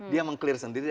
dia meng clear sendiri